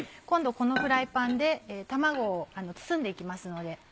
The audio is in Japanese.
今度このフライパンで卵を包んで行きますので。